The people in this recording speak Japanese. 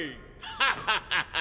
ハハハハ！